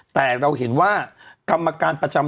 แต่เราเห็นว่ากรรมการประจำ